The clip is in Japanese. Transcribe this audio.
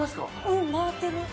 うん回ってる。